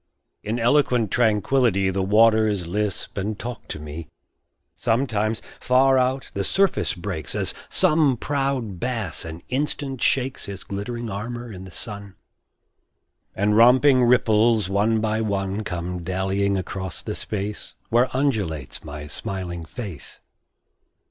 In eloquent tranquility The waters lisp and talk to me. Sometimes, far out, the surface breaks, As some proud bass an instant shakes His glittering armor in the sun, And romping ripples, one by one, Come dallyiong across the space Where undulates my smiling face.